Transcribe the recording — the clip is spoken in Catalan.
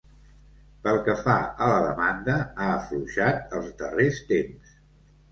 Pel que fa a la demanda, ha afluixat els darrers temps.